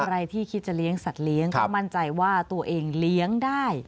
ใครที่คิดจะเลี้ยงสัตว์เลี้ยงก็มั่นใจว่าตัวเองเลี้ยงได้